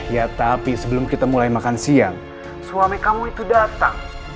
ya tapi sebelum kita mulai makan siang suami kamu itu datang